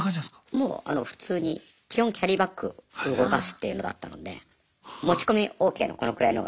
もう普通に基本キャリーバッグ動かすっていうのだったので持ち込みＯＫのこのくらいのがあるじゃないですか。